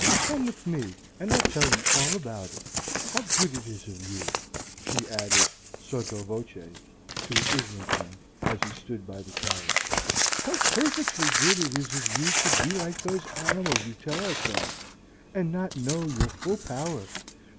Come with me, and I'll tell you all about it. How good it is of you," she added, sotto voce, to Islington, as he stood by the carriage, "how perfectly good it is of you to be like those animals you tell us of, and not know your full power.